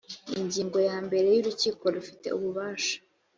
ingingo ya mbere urukiko ufite ububasha